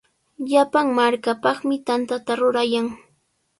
Llapan markapaqmi tantata rurayan.